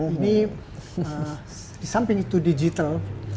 ini di samping itu digital